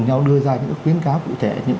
nhau đưa ra những khuyến cáo cụ thể những